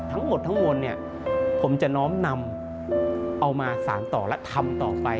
ทั้งหมดทั้งมวลเนี่ยผมจะน้อมนำเอามาสารต่อและทำต่อไป